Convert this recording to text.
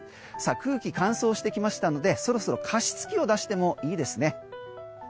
空気、乾燥してきましたので加湿器を出してもいいですね。